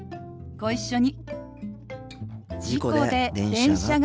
ご一緒に。